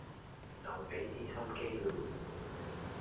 就比啲心機嚕